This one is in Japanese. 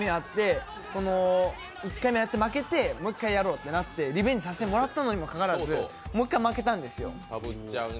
１回目やって負けて、もう一回やろうってなってリベンジさせてもらったのにも関わらずもう一回負けたんですよ。